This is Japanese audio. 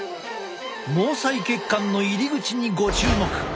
毛細血管の入り口にご注目。